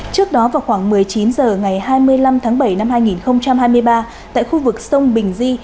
trước đó vào khoảng một mươi chín h ngày hai mươi năm tháng bảy năm hai nghìn hai mươi ba tại khu vực sông bình di